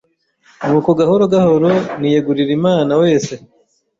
nuko gahoro gahoro niyegurira Imana wese